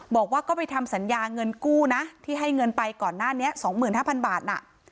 บอกว่าก็ไปทำสัญญาเงินกู้นะที่ให้เงินไปก่อนหน้านี้๒๕๐๐บาทน่ะ